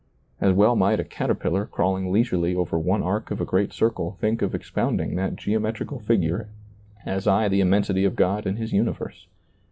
As well might a caterpillar crawling leisurely over one arc of a great circle think of expound ing that geometrical figure as I the immensity of God and His universe.